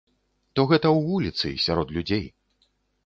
То гэта ў вуліцы, сярод людзей.